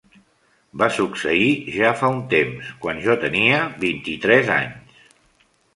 Va succeir ja fa un temps, quan jo tenia vint-i-tres anys.